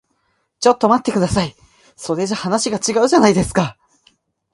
ちょっと待ってください。それじゃ話が違うじゃないですか。